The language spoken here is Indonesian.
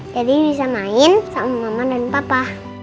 jadi bisa main sama mama dan papa